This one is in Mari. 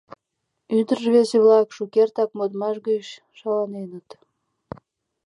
Ӱдыр-рвезе-влак шукертак модмаш гыч шаланеныт.